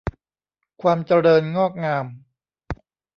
ความเจริญงอกงาม